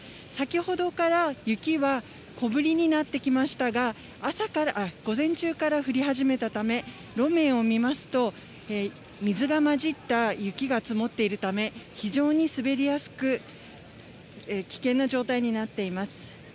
先ほどから雪は小降りになってきましたが、午前中から降り始めたため、路面を見ますと、水がまじった雪が積もっているため、非常に滑りやすく、危険な状態になっています。